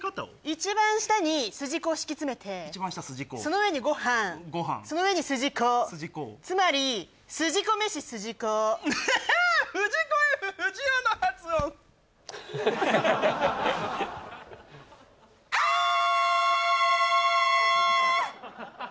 一番下に筋子を敷き詰めて一番下筋子その上にごはんその上に筋子ごはん筋子つまり筋子・めし・筋子ハッハー藤子・Ｆ・不二雄の発音あーあー